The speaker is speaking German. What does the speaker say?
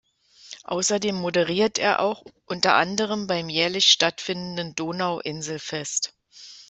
Außerdem moderiert er auch unter anderem beim jährlich stattfindenden Donauinselfest.